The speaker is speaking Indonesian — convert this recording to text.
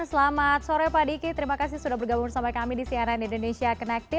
selamat sore pak diki terima kasih sudah bergabung bersama kami di cnn indonesia connected